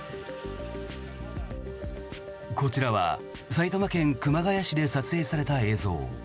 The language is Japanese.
こちらは埼玉県熊谷市で撮影された映像。